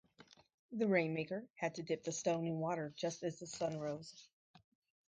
The rainmaker had to dip the stone in water just as the sun rose.